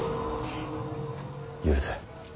許せ。